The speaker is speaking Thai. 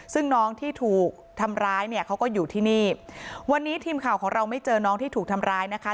ซึ่งน้องที่ถูกทำร้ายเนี่ยเขาก็อยู่ที่นี่วันนี้ทีมข่าวของเราไม่เจอน้องที่ถูกทำร้ายนะคะ